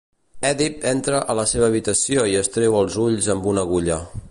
Èdip entra a la seva habitació i es treu els ulls amb una agulla.